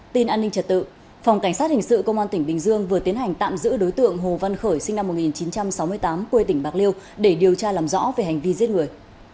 tin an ninh trật tự phòng cảnh sát hình sự công an tỉnh bình dương vừa tiến hành tạm giữ đối tượng hồ văn khởi sinh năm một nghìn chín trăm sáu mươi tám quê tỉnh bạc liêu để điều tra làm rõ về hành vi giết người